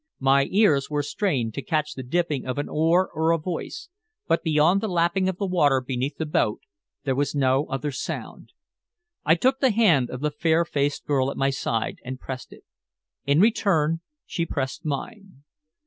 My ears were strained to catch the dipping of an oar or a voice, but beyond the lapping of the water beneath the boat there was no other sound. I took the hand of the fair faced girl at my side and pressed it. In return she pressed mine.